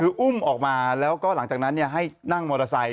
คืออุ้มออกมาแล้วก็หลังจากนั้นให้นั่งมอเตอร์ไซค